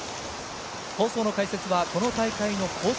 放送の解説はこの大会のコース